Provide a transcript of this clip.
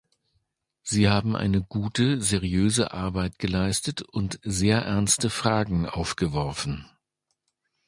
Sie haben eine gute, seriöse Arbeit geleistet und sehr ernste Fragen aufgeworfen.